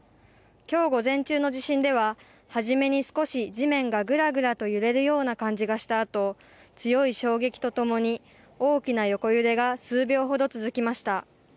きょう午前中の地震では初めに少し地面がぐらぐらと揺れるような感じがしたあと強い衝撃とともに大きな横揺れが数秒ほど続きました。